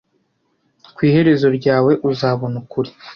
ku iherezo ryawe uzabona ukuri